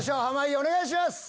お願いします。